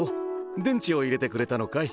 でんちをいれてくれたのかい？